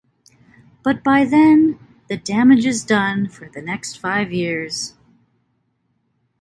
But by then the damage is done for the next five years.